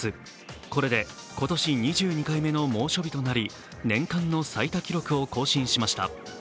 これで今年２２回目の猛暑日となり年間の最多記録を更新しました。